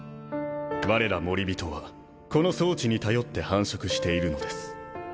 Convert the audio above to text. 我らモリビトはこの装置に頼って繁殖しているのです。